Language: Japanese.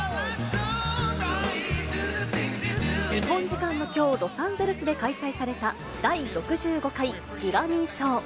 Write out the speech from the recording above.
日本時間のきょう、ロサンゼルスで開催された、第６５回グラミー賞。